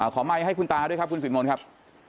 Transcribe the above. ไมค์ให้คุณตาด้วยครับคุณสินมนต์ครับ